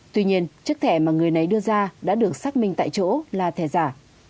tuy nhiên chiếc thẻ mà người này đưa ra đã được xác minh tại chỗ là thẻ giả